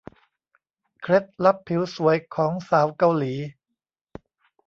เคล็ดลับผิวสวยของสาวเกาหลี